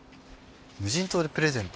無人島でプレゼント？